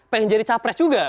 pengen jadi cawapres juga